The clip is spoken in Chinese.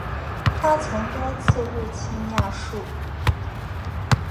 他曾多次入侵亚述。